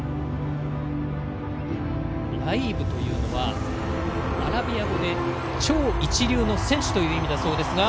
ライーブというのはアラビア語で超一流の選手という意味だそうですが。